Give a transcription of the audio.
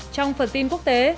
trong phần tin quốc tế